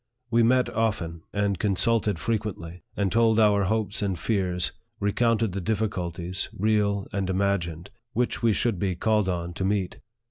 We met often, and consulted frequently, and told our hopes and fears, recounted the difficulties, real and imagined, which we should be called on to meet.